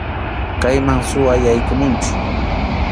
Kayman suwa yaykumunchu.